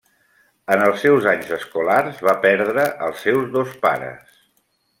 En els seus anys escolars va perdre els seus dos pares.